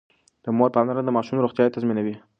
د مور پاملرنه د ماشوم روغتيا تضمينوي.